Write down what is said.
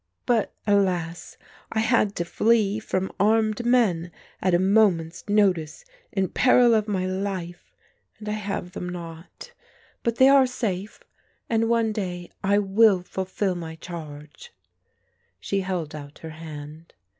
But, alas, I had to flee from armed men at a moment's notice in peril of my life and I have them not. But they are safe and one day I will fulfil my charge." She held out her hand.